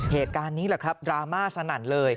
เหตุการณ์นี้แหละครับดราม่าสนั่นเลย